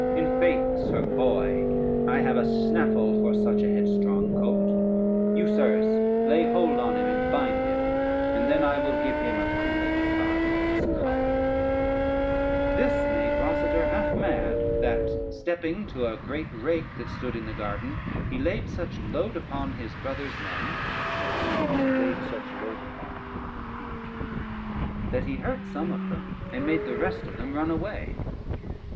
In faith, sir boy, I have a snaffle for such a headstrong colt. You, sirs, lay hold on him and bind him, and then I will give him a cooling card for his choler." [Footnote 1: conceited.] This made Rosader half mad, that stepping to a great rake that stood in the garden, he laid such load upon his brother's men that he hurt some of them, and made the rest of them run away.